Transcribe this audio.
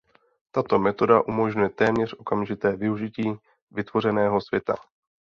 Tato metoda umožňuje téměř okamžité využití vytvořeného světa.